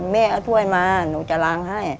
แม่เอาถ้วยมาหนูจะล้างให้